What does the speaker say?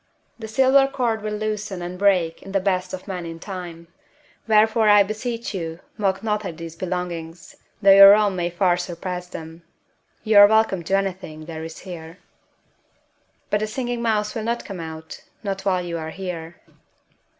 The silver cord will loosen and break in the best of men in time; wherefore, I beseech you, mock not at these belongings, though your own may far surpass them. You are welcome to anything there is here.... But the Singing Mouse will not come out, not while you are here.